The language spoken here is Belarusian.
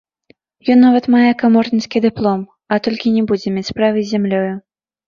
Ён нават мае каморніцкі дыплом, а толькі не будзе мець справы з зямлёю.